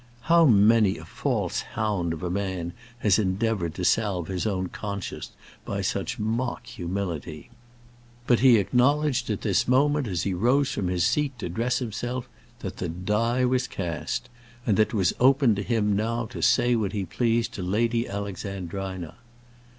How many a false hound of a man has endeavoured to salve his own conscience by such mock humility? But he acknowledged at this moment, as he rose from his seat to dress himself, that the die was cast, and that it was open to him now to say what he pleased to Lady Alexandrina.